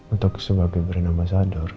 untuk sebagai brand ambasador